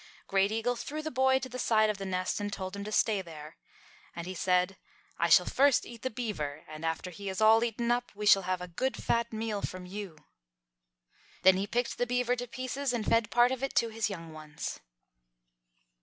Great Eagle threw the boy to the side of the nest and told him to stay there. And he said, "I shall first eat the beaver, and after he is all eaten up we shall have a good fat meal from you." Then he picked the beaver to pieces and fed part of it to his young ones.